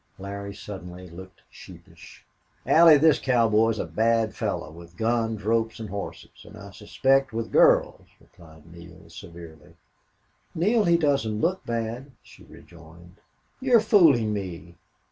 Larry suddenly looked sheepish. "Allie, this cowboy is a bad fellow with guns, ropes, horses and I suspect with girls," replied Neale, severely. "Neale, he doesn't look bad," she rejoined. "You're fooling me....